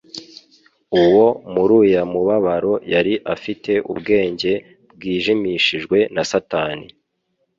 Uwo muruyamubabaro yari afite ubwenge bwijimishijwe na Satani;